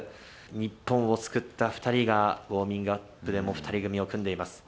日本を救った２人が、ウォーミングアップでも２人組を組んでいます。